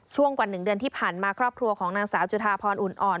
กว่า๑เดือนที่ผ่านมาครอบครัวของนางสาวจุธาพรอุ่นอ่อน